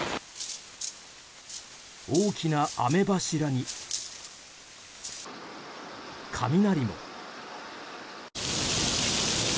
大きな雨柱に、雷も。